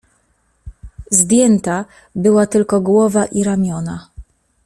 "Zdjęta była tylko głowa i ramiona."